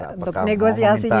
untuk negosiasinya lagi